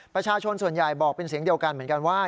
ประชาชนส่วนใหญ่บอกเป็นเสียงเดียวกันเหมือนกันว่า